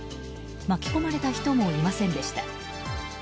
巻き込まれた人もいませんでした。